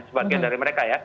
sebagian dari mereka ya